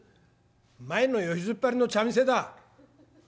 「前のよしずっ張りの茶店だ」。